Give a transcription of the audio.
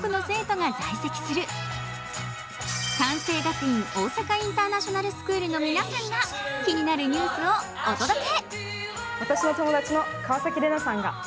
関西学院大阪インターナショナルスクールの皆さんが気になるニュースをお届け。